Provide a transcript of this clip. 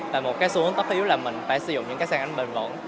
và một cái xu hướng tốc yếu là mình phải sử dụng những cái sản ánh bình vẩn